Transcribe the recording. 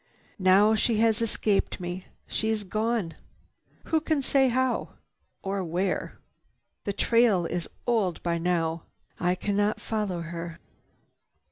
Now she has escaped me. She is gone. Who can say how or where? The trail is old by now. I cannot follow her."